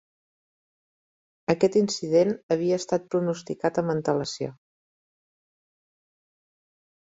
Aquest incident havia estat pronosticat amb antelació.